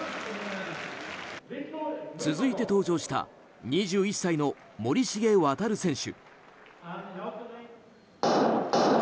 続いて登場した２１歳の森重航選手。